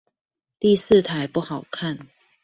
第四台不好看